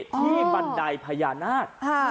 ที่บันไดพญานาศ